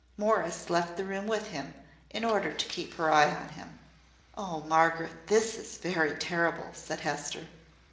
Morris left the room with him, in order to keep her eye upon him. "Oh, Margaret, this is very terrible!" said Hester.